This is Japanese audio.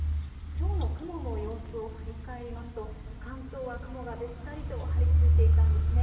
きょうの雲の様子を振り返りますと関東は雲がべったりと張り付いていたんですね。